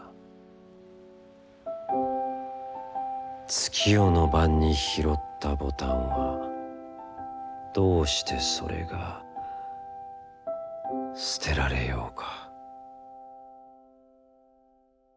月夜の晩に、拾ったボタンはどうしてそれが、捨てられようか？」。